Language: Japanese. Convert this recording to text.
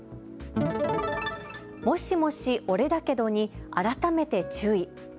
もしもしオレだけどに改めて注意。